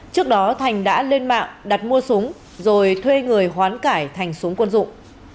trước đó thành đã lên mạng đặt mua súng rồi thuê người hoán cải thành súng quân dụng